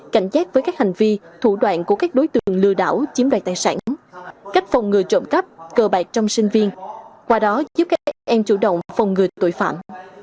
cảnh giác với các hành vi thủ đoạn của các đối tượng lừa đảo chiếm đoạt tài sản cách phòng ngừa trộm cắp cờ bạc trong sinh viên qua đó giúp các em chủ động phòng ngừa tội phạm